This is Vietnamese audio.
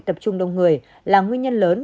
tập trung đông người là nguyên nhân lớn